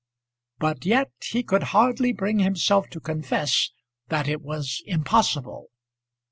But yet he could hardly bring himself to confess that it was impossible.